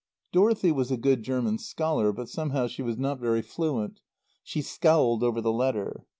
Dorothy was a good German scholar, but somehow she was not very fluent. She scowled over the letter.